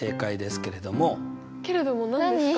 けれども何ですか？